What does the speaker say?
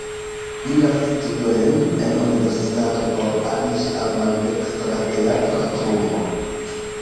Li lasis studojn en universitato por aliĝi al maldekstra teatra trupo.